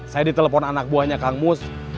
saya ditelepon anak buahnya kang mus